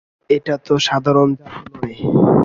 এটা তো সাধারণ জাদু নয়।